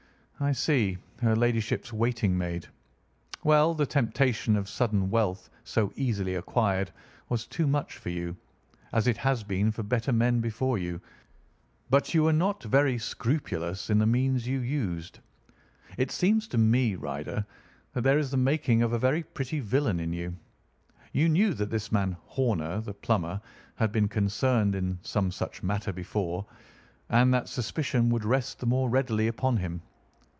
"I see—her ladyship's waiting maid. Well, the temptation of sudden wealth so easily acquired was too much for you, as it has been for better men before you; but you were not very scrupulous in the means you used. It seems to me, Ryder, that there is the making of a very pretty villain in you. You knew that this man Horner, the plumber, had been concerned in some such matter before, and that suspicion would rest the more readily upon him.